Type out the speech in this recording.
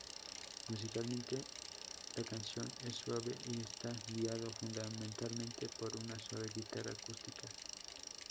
Musicalmente, la canción es suave y está guiado fundamentalmente por una suave guitarra acústica.